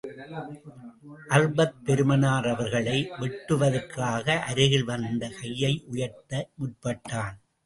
Arpad பெருமானார் அவர்களை வெட்டுவதற்காக, அருகில் வந்து கையை உயர்த்த முற்பட்டான்.